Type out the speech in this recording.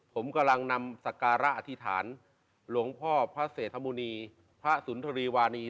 ผมกำลังนำสการะอธิษฐานหลวงพ่อพระเศรษฐมุณีพระสุนทรีวานี